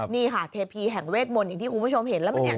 นี่ค่ะเทพีแห่งเวทมนต์อย่างที่คุณผู้ชมเห็นแล้วมันเนี่ย